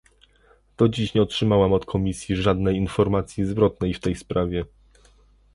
Do dziś nie otrzymałam od Komisji żadnej informacji zwrotnej w tej sprawie